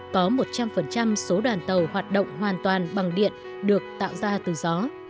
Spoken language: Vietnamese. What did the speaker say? có một trăm linh số đoàn tàu hoạt động hoàn toàn bằng điện được tạo ra từ gió